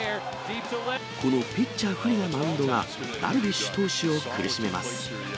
このピッチャー不利なマウンドがダルビッシュ投手を苦しめます。